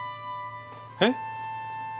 えっ？